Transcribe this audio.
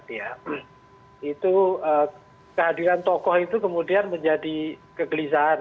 itu kehadiran tokoh itu kemudian menjadi kegelisahan